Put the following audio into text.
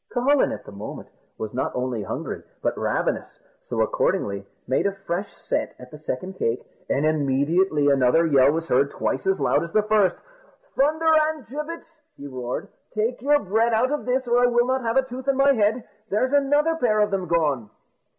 Cucullin at the moment was not only hungry, but ravenous, so he accordingly made a fresh set at the second cake, and immediately another yell was heard twice as loud as the first. "Thunder and gibbets!" he roared, "take your bread out of this, or I will not have a tooth in my head; there's another pair of them gone!"